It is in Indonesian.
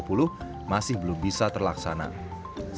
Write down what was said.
sampai saat ini kpu juga akan melakukan rapid test